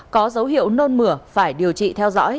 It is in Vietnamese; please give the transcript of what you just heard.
có dấu hiệu nôn mửa phải điều trị theo dõi